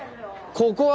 ここは。